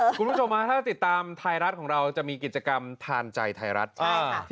คุณผู้ชมฮะถ้าติดตามไทยรัฐของเราจะมีกิจกรรมทานใจไทยรัฐ